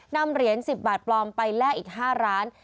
นำเหรียญ๑๐บาทปลอมไปแลกอีก๕ร้าน